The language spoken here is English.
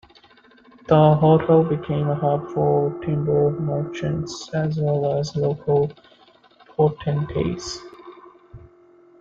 The hotel became a hub for timber-merchants as well as local potentates.